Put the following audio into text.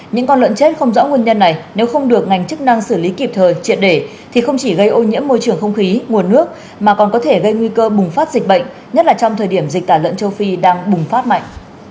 những con lợn chết không rõ nguồn nhân này nếu không được ngành chức năng xử lý kịp thời triệt để thì không chỉ gây ô nhiễm môi trường không khí nguồn nước mà còn có thể gây nguy cơ bùng phát dịch bệnh nhất là trong thời điểm dịch tả lợn châu phi đang bùng phát mạnh